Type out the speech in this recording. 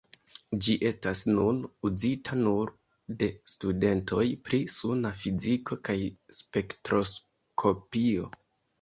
Ĝi estas nun uzita nur de studentoj pri suna fiziko kaj spektroskopio.